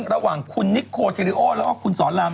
ระหว่างคุณนิโคเจริโอและคุณสอนลำ